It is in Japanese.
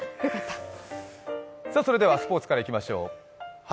それではスポーツからいきましょう。